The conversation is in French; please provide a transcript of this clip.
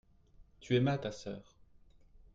tu aimas ta sœur.